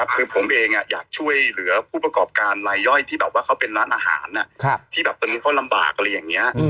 คือผมเองอยากช่วยเหลือผู้ประกอบการลายย่อยที่แบบว่าเขาเป็นร้านอาหารที่แบบตอนนี้เขาลำบากอะไรอย่างนี้